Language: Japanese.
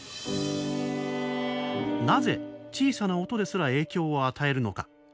なぜ小さな音ですら影響を与えるのか